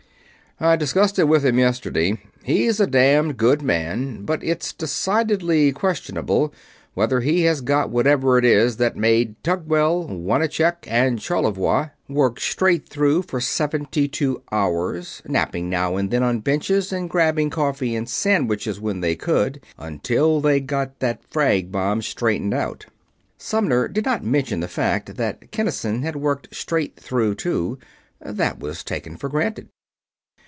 "I discussed it with him yesterday. He's a damned good man but it's decidedly questionable whether he has got whatever it is that made Tugwell, Wanacek and Charlevoix work straight through for seventy two hours, napping now and then on benches and grabbing coffee and sandwiches when they could, until they got that frag bomb straightened out." Sumner did not mention the fact that Kinnison had worked straight through, too. That was taken for granted.